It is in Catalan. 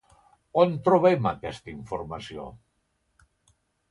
On trobem aquesta informació?